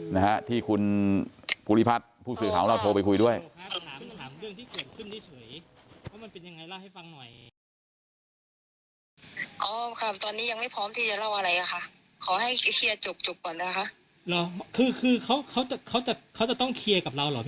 นะฮะที่คุณภูริพัฒน์ผู้สื่อข่าวของเราโทรไปคุยด้วย